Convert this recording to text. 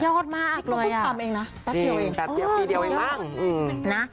จริงแป๊บเกียวปีเดียวไอ้มั่งอืม